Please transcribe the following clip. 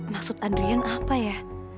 maksud adrian apa ya